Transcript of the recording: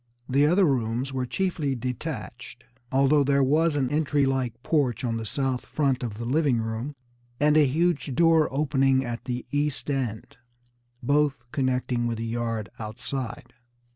The other rooms Were chiefly detached, although there was an entry like porch on the south front of the living room, and a huge door opening at the east end, both connecting with the yard outside.